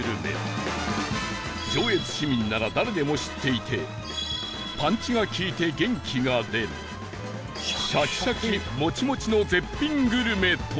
上越市民なら誰でも知っていてパンチが利いて元気が出るシャキシャキモチモチの絶品グルメとは？